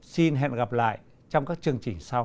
xin hẹn gặp lại trong các chương trình sau